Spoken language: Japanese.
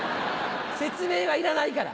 説明はいらないから！